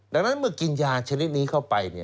ดังนั้นเมื่อกินยาชนิดนี้เข้าไป